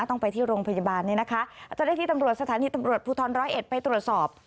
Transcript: ต้องไปที่โรงพยาบาลเนี่ยนะคะเจ้าหน้าที่ตำรวจสถานีตำรวจภูทรร้อยเอ็ดไปตรวจสอบ